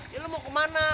ya lo mau kemana